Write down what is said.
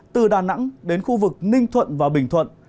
từ đà nẵng đến khu vực ninh thuận và bình thuận